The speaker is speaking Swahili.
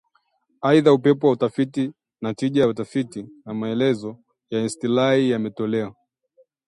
Aidha, upeo wa utafiti, na tija ya utafiti na maelezo ya istilahi yametolewa